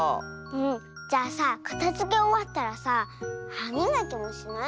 じゃあさかたづけおわったらさはみがきもしない？